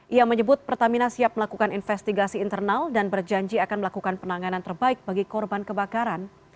ia menyebut pertamina siap melakukan investigasi internal dan berjanji akan melakukan penanganan terbaik bagi korban kebakaran